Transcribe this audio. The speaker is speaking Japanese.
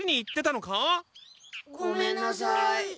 ごめんなさい。